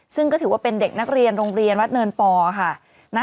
ซึ่งก็ถือว่าเป็นเด็กนักเรียนโรงเรียนวัดเนินปอค่ะ